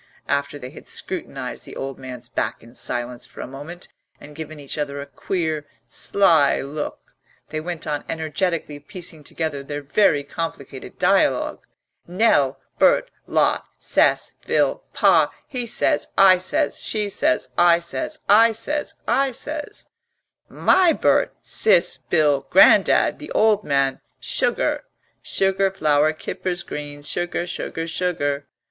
After they had scrutinised the old man's back in silence for a moment and given each other a queer, sly look, they went on energetically piecing together their very complicated dialogue: "Nell, Bert, Lot, Cess, Phil, Pa, he says, I says, she says, I says, I says, I says " "My Bert, Sis, Bill, Grandad, the old man, sugar, Sugar, flour, kippers, greens, Sugar, sugar, sugar."